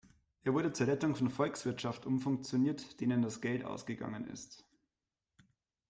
Er wurde zur Rettung von Volkswirtschaft umfunktioniert, denen das Geld ausgegangen ist.